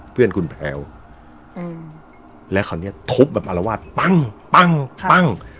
เพื่อนคุณแพลวอืมแล้วเขานี่ทบแบบอารวาสปังปังปัง